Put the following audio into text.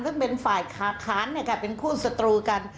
ซึ่งฝ่ายค้านก็กล่าวเป็นคู่สตรูกัน